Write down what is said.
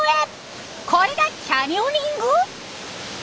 これがキャニオニング？